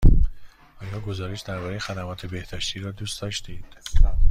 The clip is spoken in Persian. آیا گزارش درباره خدمات بهداشتی را دوست داشتید؟